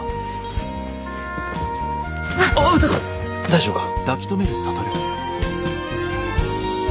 大丈夫か？